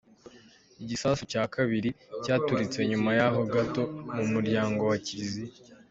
Igisasu cya kabiri cyaturitse nyuma yaho gato, mu muryango wa kiliziya.